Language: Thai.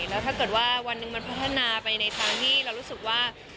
แล้วถ้าเกิดว่าวันหนึ่งมันพัฒนาไปในทางที่เรารู้สึกว่า